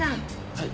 はい。